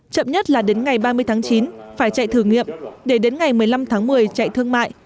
chậm nhất là đến ngày ba mươi tháng chín phải chạy thử nghiệm để đến ngày một mươi năm tháng một mươi chạy thương mại